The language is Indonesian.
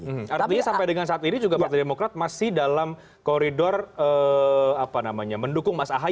artinya sampai dengan saat ini juga partai demokrat masih dalam koridor mendukung mas ahy untuk maju sebagai cawapres